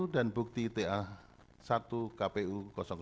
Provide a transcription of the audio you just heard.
dan bukti ta satu kpu dua